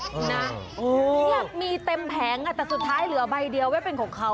อยากมีเต็มแผงแต่สุดท้ายเหลือใบเดียวไว้เป็นของเขา